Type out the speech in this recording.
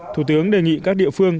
thủ tướng đề nghị các địa phương